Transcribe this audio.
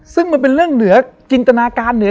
ซึ่งมันเป็นเรื่องเหนือจินตนาการเหนือ